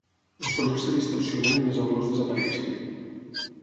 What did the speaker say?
Els sorolls es distorsionen i les olors desapareixen.